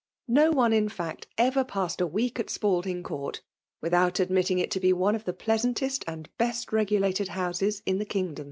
No one, in fact, ever passed a week at Spalding Court, without admitting it to be one of the pleasantest and best rega lated houses in the kingdom.